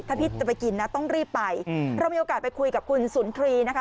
ถ้าพี่จะไปกินนะต้องรีบไปเรามีโอกาสไปคุยกับคุณสุนทรีย์นะคะ